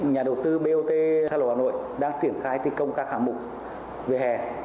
nhà đầu tư bot sa lộ hà nội đang triển khai thi công các hạng mục vỉa hè